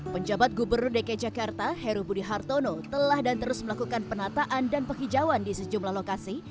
penjabat gubernur dki jakarta heru budi hartono telah dan terus melakukan penataan dan penghijauan di sejumlah lokasi